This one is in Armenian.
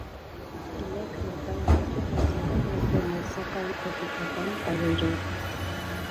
Բլեք մետալ ոճի դասական ալբոմ է, սակայն էպիկական տարրերով։